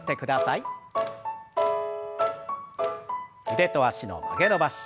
腕と脚の曲げ伸ばし。